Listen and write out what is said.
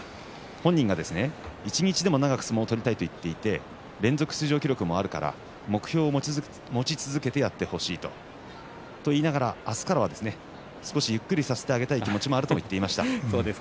本人が一日でも長く相撲を取りたいということ言っていて連続出場記録もあるから目標を持ち続けてやってほしいと言いながら明日からは少しゆっくりさせてあげたい気持ちもあるということを話しています。